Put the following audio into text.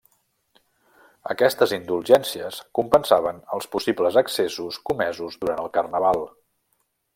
Aquestes indulgències compensaven els possibles excessos comesos durant el Carnaval.